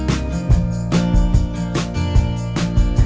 แต่ว่าไม่รู้ทันหรือเปล่า